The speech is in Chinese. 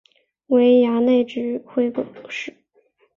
为衙内指挥使。